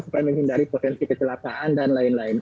supaya menghindari potensi kecelakaan dan lain lain